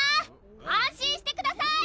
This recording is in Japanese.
安心してください！